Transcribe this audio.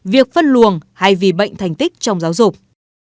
việc phân luồng hay vì bệnh thành tích trong giáo dục